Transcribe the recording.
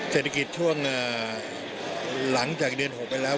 เศรษฐกิจช่วงหลังจากเดือน๖ไปแล้ว